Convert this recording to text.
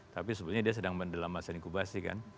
tapi sebetulnya dia sedang mendalam masa inkubasi kan